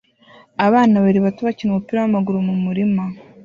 Abana babiri bato bakina umupira wamaguru mu murima